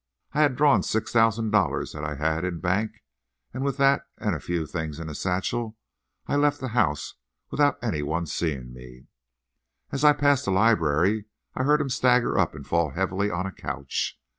I had drawn $6,000 that I had in bank, and with that and a few things in a satchel I left the house without any one seeing me. As I passed the library I heard him stagger up and fall heavily on a couch.